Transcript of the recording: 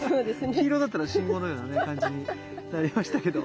黄色だったら信号のようなね感じになりましたけど。